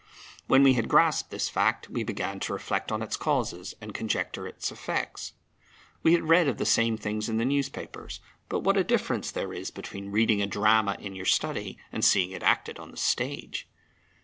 When we had grasped this fact, we began to reflect on its causes and conjecture its effects. We had read of the same things in the newspapers, but what a difference there is between reading a drama in your study and seeing it acted on the stage!